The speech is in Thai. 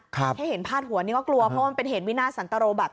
แค่เห็นผ้าหัวนี้ก็กลัวเพราะมันเป็นเหตุวินาศัลโตรบัตร